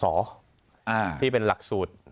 อโฮร์ที่เป็นหลักสูตร